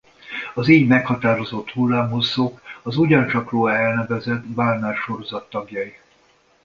Az így meghatározott hullámhosszok az ugyancsak róla elnevezett Balmer-sorozat tagjai.